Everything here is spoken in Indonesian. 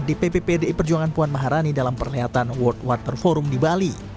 dpp pdi perjuangan puan maharani dalam perlihatan world water forum di bali